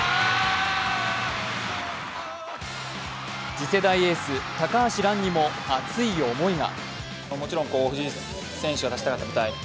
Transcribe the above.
次世代エース、高橋藍にも熱い思いが。